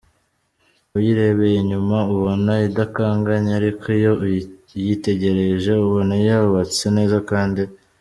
Uyirebeye inyuma ubona idakanganye ariko iyo iyitegereje ubona yubatse neza kandi.